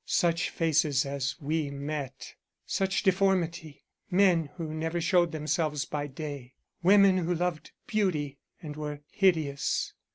Such faces as we met; such deformity men who never showed themselves by day women who loved beauty and were hideous.